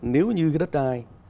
nếu như đất đai